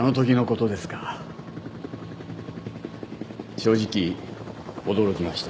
正直驚きました。